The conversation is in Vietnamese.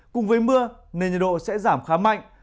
cùng với mưa nền nhiệt độ sẽ giảm khá mạnh